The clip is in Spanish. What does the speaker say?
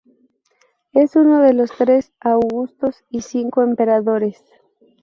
Es uno de los tres augustos y cinco emperadores.